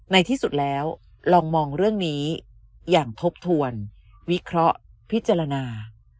ในที่สุดแล้วลองมองเรื่องนี้อย่างทบทวนวิเคราะห์พิจารณา